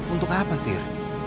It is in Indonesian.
untuk apa sir